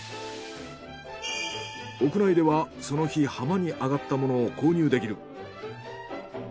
屋内ではその日浜に揚がったものを購入できる。